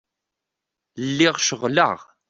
Lliɣ ceɣleɣ.